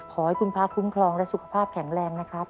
ขอให้คุณพระคุ้มครองและสุขภาพแข็งแรงนะครับ